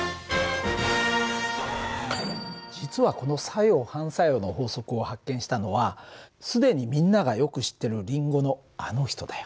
実はこの作用・反作用の法則を発見したのは既にみんながよく知ってるリンゴのあの人だよ。